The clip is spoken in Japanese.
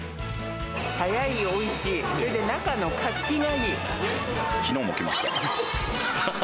早い、おいしい、きのうも来ました。